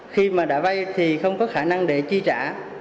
khi mà đã vay thì không có khả năng để chi trả